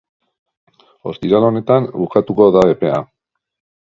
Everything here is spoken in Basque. Ostiral honetan bukatuko da epea.